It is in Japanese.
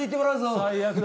最悪だ。